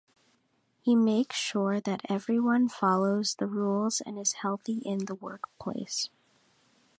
He makes sure that everyone follows the rules and is healthy in the workplace.